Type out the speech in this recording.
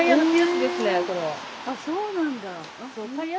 あっそうなんだ。